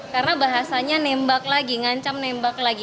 karena bahasanya nembak lagi ngancam nembak lagi